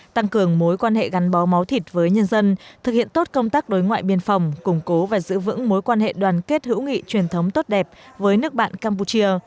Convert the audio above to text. tăng cường mối quan hệ gắn bó máu thịt với nhân dân thực hiện tốt công tác đối ngoại biên phòng củng cố và giữ vững mối quan hệ đoàn kết hữu nghị truyền thống tốt đẹp với nước bạn campuchia